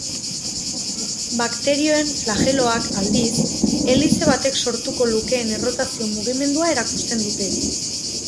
Bakterioen flageloak, aldiz, helize batek sortuko lukeen errotazio-mugimendua erakusten dute.